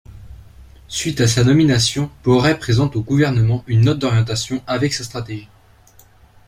Suite à sa nomination, Borret présente au gouvernement une note d'orientation avec sa stratégie.